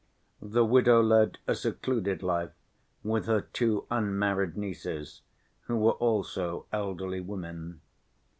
The widow led a secluded life with her two unmarried nieces, who were also elderly women.